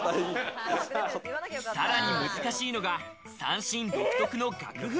さらに難しいのが三線独特の楽譜。